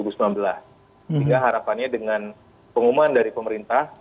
sehingga harapannya dengan pengumuman dari pemerintah